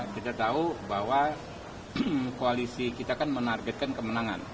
kita tahu bahwa koalisi kita kan menargetkan kemenangan